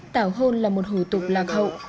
tạo hôn là một hủ tục lạc hậu